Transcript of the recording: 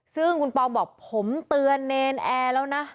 ซึ่งคุณปองบอกผมเตือนเนรนแอร์แล้วนะ